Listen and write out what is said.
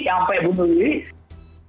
sampai bunuh diri